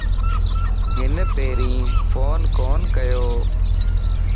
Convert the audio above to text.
ھن پيرين فون ڪون ڪيو.